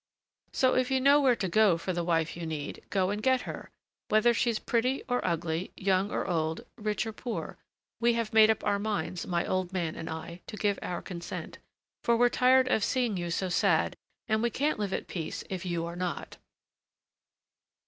So if you know where to go for the wife you need, go and get her; and whether she's pretty or ugly, young or old, rich or poor, we have made up our minds, my old man and I, to give our consent; for we're tired of seeing you so sad, and we can't live at peace if you are not."